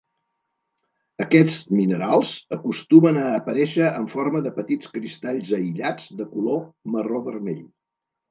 Aquests minerals acostumen a aparèixer en forma de petits cristalls aïllats de color marró-vermell.